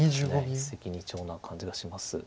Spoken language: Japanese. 一石二鳥な感じがします。